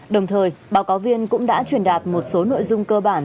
đồng thời báo cáo viên cũng đã truyền đạt một số nội dung cơ bản